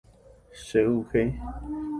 Chey'uhéi.